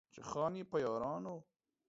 چې خان يې، په يارانو